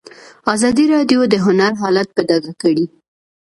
ازادي راډیو د هنر حالت په ډاګه کړی.